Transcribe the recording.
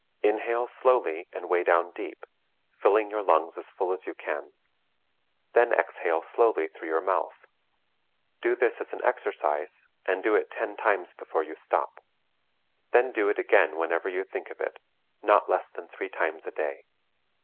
Inhale slowly and way down deep, filling your lungs as full as you can; then exhale slowly through your mouth. Do this as an exercise, and do it ten times before you stop. Then do it again whenever you think of it, not less than three times a day.